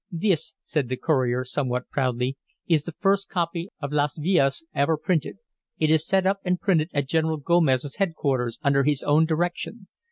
"This," said the courier, somewhat proudly, "is the first copy of 'Las Villas' ever printed. It is set up and printed at General Gomez's headquarters under his own direction.